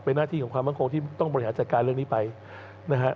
เป็นหน้าที่ของความมั่นคงที่ต้องบริหารจัดการเรื่องนี้ไปนะฮะ